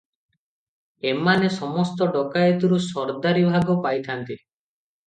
ଏମାନେ ସମସ୍ତ ଡକାଏତିରୁ ସର୍ଦ୍ଦାରି ଭାଗ ପାଇଥାନ୍ତି ।